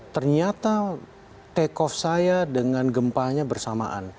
ternyata take off saya dengan gempanya bersamaan